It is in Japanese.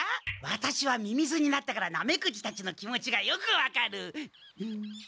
ワタシはミミズになったからナメクジたちの気持ちがよく分かる。